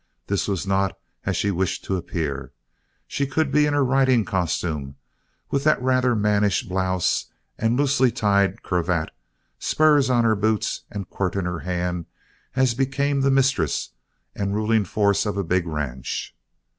That was not as she wished to appear. She could be in her riding costume, with the rather mannish blouse and loosely tied cravat, spurs on her boots and quirt in her hand as became the mistress and ruling force of a big ranch.